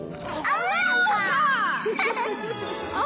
ああ。